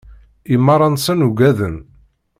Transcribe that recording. I meṛṛa-nsen ugaden.